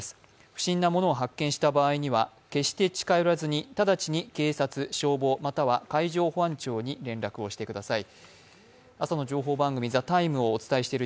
不審なものを発見した場合には、決して近寄らずに直ちに警察、消防、または海上保安庁に連絡してください。